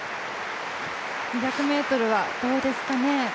２００ｍはどうですかね。